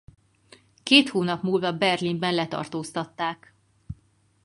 Két hónap múlva Berlinben letartóztatták.